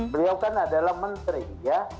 beliau kan adalah menteri ya